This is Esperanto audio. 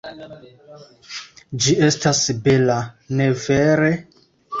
Ĝi estas bela, ne vere?